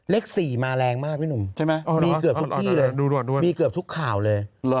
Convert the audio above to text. เลข๔มาแรงมากพี่หนุ่มใช่ไหมมีเกือบทุกที่เลยมีเกือบทุกข่าวเลย